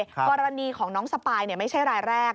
กรณีของน้องสปายไม่ใช่รายแรก